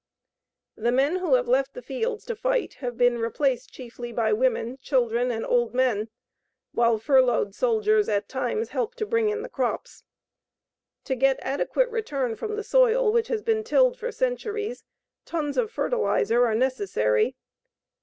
The men who have left the fields to fight have been replaced chiefly by women, children, and old men, while furloughed soldiers at times help to bring in the crops. To get adequate return from the soil which has been tilled for centuries, tons of fertilizer are necessary.